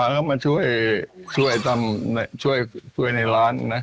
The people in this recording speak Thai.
ก็มาแล้วมาช่วยช่วยทำช่วยในร้านนะ